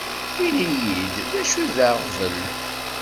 Init-yi-d d acu i d aɣbel.